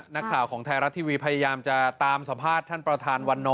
นักข่าวของไทยรัฐทีวีพยายามจะตามสัมภาษณ์ท่านประธานวันนอ